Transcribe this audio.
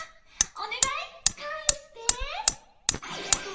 おねがいかえして。